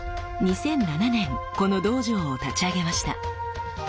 ２００７年この道場を立ち上げました。